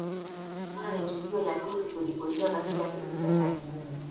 hilo ni tukio la pili kuripotiwa katika siku za karibuni